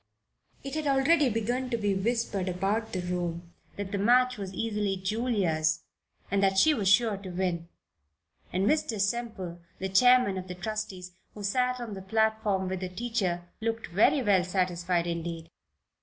It had already begun to be whispered about the room that the match was easily Julia's that she was sure to win; and Mr. Semple, the chairman of the trustees, who sat on the platform with the teacher, looked very well satisfied indeed.